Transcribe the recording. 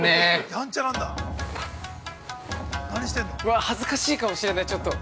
◆わっ、恥ずかしいかもしれない、ちょっと。